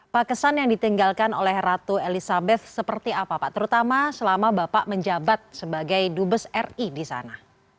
pak kesan yang ditinggalkan oleh ratu elizabeth seperti apa pak terutama selama bapak menjabat sebagai dubes ri di sana